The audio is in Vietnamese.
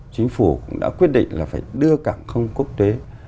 chính phủ cũng đã quyết định là phải đưa cảng không quốc tế